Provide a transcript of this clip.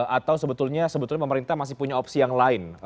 atau sebetulnya pemerintah masih punya opsi yang lain